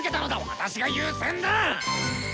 私が優先だ！